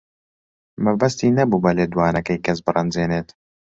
مەبەستی نەبوو بە لێدوانەکەی کەس بڕەنجێنێت.